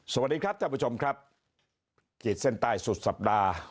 สวัสดีครับท่านผู้ชมครับขีดเส้นใต้สุดสัปดาห์